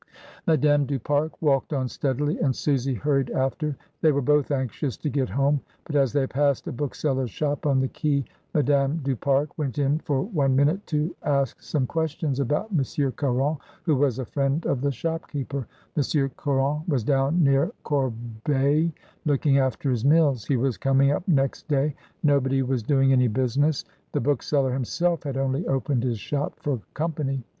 Madame du Pare walked on steadily, and Susy hurried after. They were both anxious to get home, but as they passed a bookseller's shop on the quai, Madame du Pare went in for one minute to ask some questions about M. Caron, who was a friend 3f the shopkeeper. M. Caron was down near Cor beil looking after his mills; he was coming up next iay; nobody was doing any business. The book jeller himself had only opened his shop for com pany.